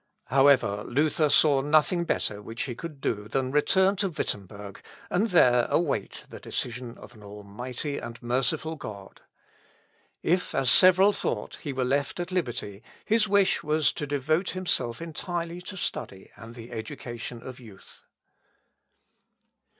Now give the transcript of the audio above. However, Luther saw nothing better which he could do than return to Wittemberg, and there await the decision of an almighty and merciful God. If, as several thought, he were left at liberty, his wish was to devote himself entirely to study and the education of youth. Luth.